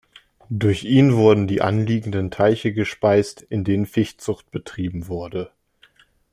Durch ihn wurden die anliegenden Teiche gespeist, in denen Fischzucht betrieben wurde.